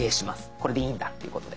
「これでいいんだ」っていうことで。